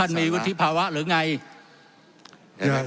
แล้วท่านมีวุฒิภาวะหรือไง